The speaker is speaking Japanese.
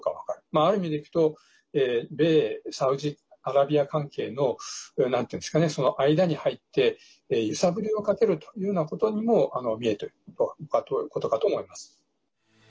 ある意味でいくと米サウジアラビア関係のその間に入って揺さぶりをかけるというようなことにも見えてくるということかと思います。